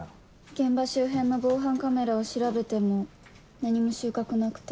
現場周辺の防犯カメラを調べても何も収穫なくて。